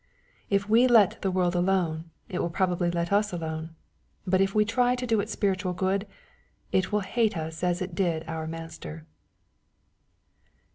If we let the world alone, it will probably let us alone. But if we try to do it spiritual good, it will hate us as it did our Master.